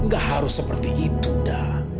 gak harus seperti itu dah